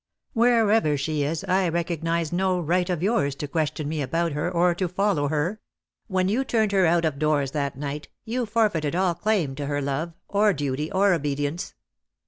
" Wherever she is, I recognize no right of yours to question me about her, or to follow her. When you turned her out of doors that night, you forfeited all claim to her love, or duty, or obedience."